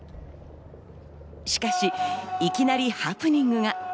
しかし、いきなりハプニングが。